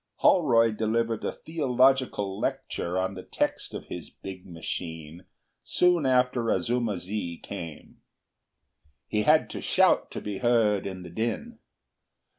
Holroyd delivered a theological lecture on the text of his big machine soon after Azuma zi came. He had to shout to be heard in the din.